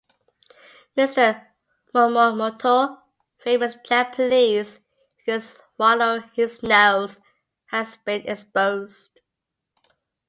Mr. Momomoto, famous Japanese who can swallow his nose, has been exposed.